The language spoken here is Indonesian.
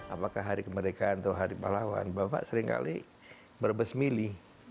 apakah hari kemerdekaan atau hari pahlawan bapak seringkali berbesmili